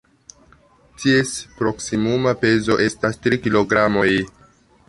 Ties proksimuma pezo estas tri kilogramoj.